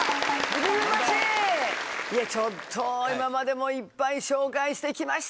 ちょっと今までもいっぱい紹介して来ましたよ？